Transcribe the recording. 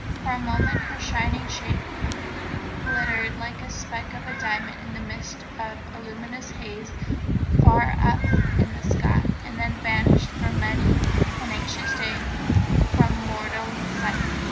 For a moment her shining shape glittered like a speck of diamond in the midst of the luminous haze far up in the sky, and then it vanished for many an anxious day from mortal sight.